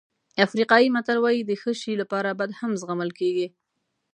افریقایي متل وایي د ښه شی لپاره بد هم زغمل کېږي.